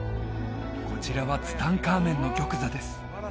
こちらはツタンカーメンの玉座です